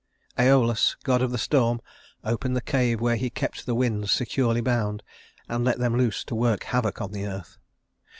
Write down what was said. Æolus, god of the storm, opened the cave where he kept the winds securely bound, and let them loose to work havoc on the earth.